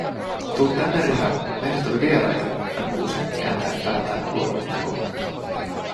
"Tuu tänne, Rihab, meille tuli vieraita", hän huusi kääntäen päätään olohuonetta kohti.